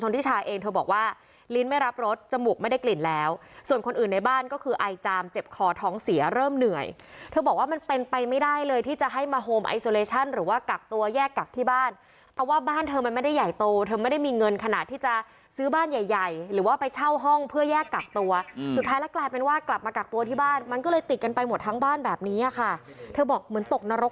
เธอบอกว่ามันเป็นไปไม่ได้เลยที่จะให้มาโฮมไอโซเลชั่นหรือว่ากักตัวแยกกักที่บ้านเพราะว่าบ้านเธอมันไม่ได้ใหญ่โตเธอไม่ได้มีเงินขนาดที่จะซื้อบ้านใหญ่ใหญ่หรือว่าไปเช่าห้องเพื่อแยกกักตัวสุดท้ายแล้วกลายเป็นว่ากลับมากักตัวที่บ้านมันก็เลยติดกันไปหมดทั้งบ้านแบบนี้อะค่ะเธอบอกเหมือนตกนรก